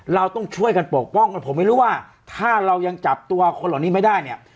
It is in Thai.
เราต้องช่วยกันปกป้องกันผมไม่รู้ว่าถ้าเรายังจับตัวคนเหล่านี้ไม่ได้เนี่ย